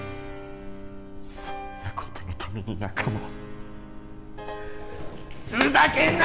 そんなことのために仲間をふざけんな